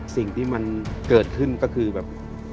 สิ่งที่มันเกิดขึ้นก็คือแบบ